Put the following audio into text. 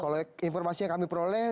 kalau informasi yang kami peroleh